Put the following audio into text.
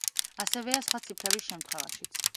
ასევეა სხვა ციფრების შემთხვევაშიც.